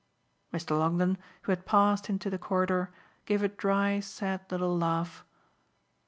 Mr. Longdon, who had passed into the corridor, gave a dry sad little laugh.